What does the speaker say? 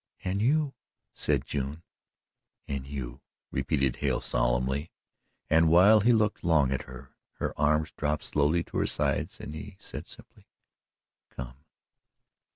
"And you," said June. "And you," repeated Hale solemnly, and while he looked long at her, her arms dropped slowly to her sides and he said simply: "Come!"